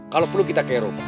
kalau perlu kita ke eropa